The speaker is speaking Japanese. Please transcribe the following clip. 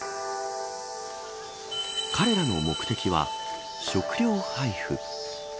彼らの目的は食料配布。